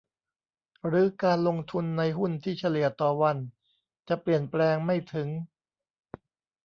หรือการลงทุนในหุ้นที่เฉลี่ยต่อวันจะเปลี่ยนแปลงไม่ถึง